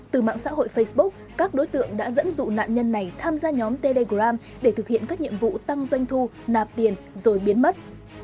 từ mạng xã hội facebook các đối tượng đã dẫn dụ nạn nhân này tham gia nhóm telegram để thực hiện các nhiệm vụ tăng doanh thu nạp tiền rồi biến mất